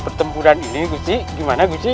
pertempuran ini gusti gimana gusti ya